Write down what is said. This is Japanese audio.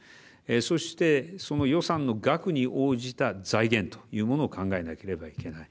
そして、その予算の額に応じた財源というものを考えなければいけない。